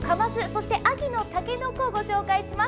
そして秋のたけのこをご紹介します。